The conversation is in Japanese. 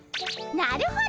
なるほど！